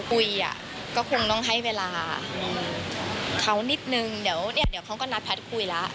คุยก็คงต้องให้เวลาเขานิดนึงเดี๋ยวเขาก็นัดพลัทธ์คุยแล้ว